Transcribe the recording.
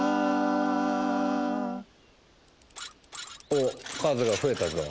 おっ数が増えたぞ。